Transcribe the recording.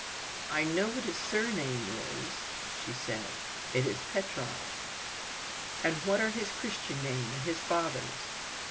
"I know what his surname is," said she, "it is Petrov." "But what are his Christian name and his father's?"